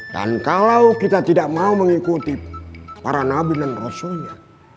dan kalau kita tidak mau mengikuti para nabi dan rasulnya